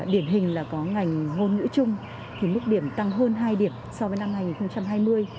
điển hình là có ngành ngôn ngữ chung thì mức điểm tăng hơn hai điểm so với năm hai nghìn hai mươi